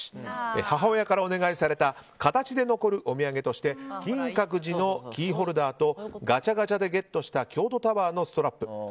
母親からお願いされた形で残るお土産として金閣寺のキーホルダーとガチャガチャでゲットした京都タワーのストラップ。